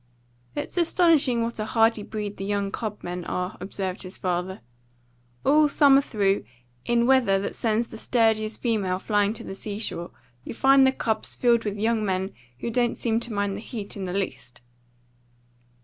"It's astonishing what a hardy breed the young club men are," observed his father. "All summer through, in weather that sends the sturdiest female flying to the sea shore, you find the clubs filled with young men, who don't seem to mind the heat in the least."